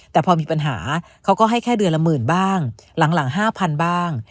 แต่พอมีปัญหาเขาก็ให้แค่เดือนละหมื่นบ้างหลัง๕๐๐๐บ้าง